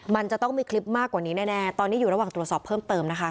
มันจะต้องมีคลิปมากกว่านี้แน่ตอนนี้อยู่ระหว่างตรวจสอบเพิ่มเติมนะคะ